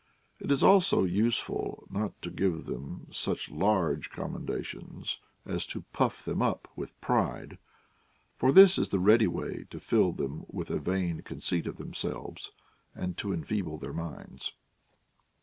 It is also useful not to give them such large commendations as to puff them up with pride ; for this is the ready way to fill them with a vain conceit of themselves, and to enfeeble their minds.